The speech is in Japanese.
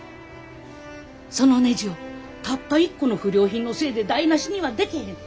そのねじをたった一個の不良品のせいで台なしにはでけへん。